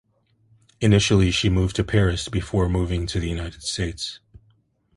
Initially she moved to Paris before moving to the United States.